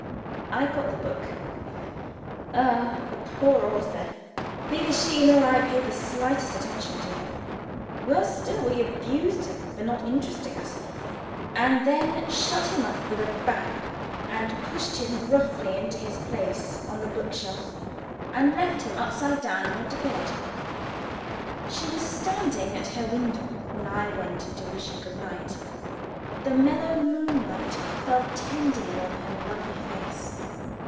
I got the book. Ah, the poor author! Neither she nor I paid the slightest attention to him. Worse still, we abused him for not interesting us and then shut him up with a bang, and pushed him rudely into his place on the book shelf, and left him upside down and went to bed. She was standing at her window when I went in to wish her good night. The mellow moonlight fell tenderly on her lovely face.